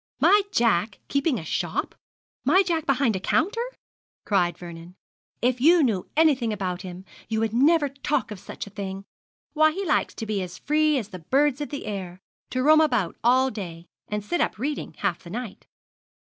'My Jack keeping a shop! my Jack behind a counter!' cried Vernon: 'if you knew anything about him you would never talk of such a thing. Why he likes to be as free as the birds of the air to roam about all day and sit up reading half the night.'